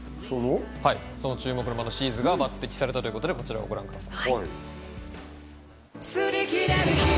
その注目のバンドＳＨＥ’Ｓが抜擢されたということでこちらをご覧ください。